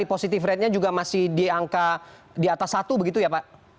jadi positif ratenya juga masih di angka di atas satu begitu ya pak